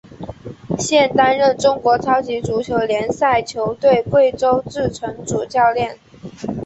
现担任中国超级足球联赛球队贵州智诚主教练。